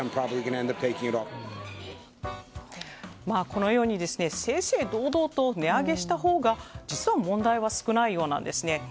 このように、正々堂々と値上げしたほうが実は問題は少ないようなんです。